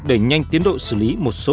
xin chào và hẹn gặp lại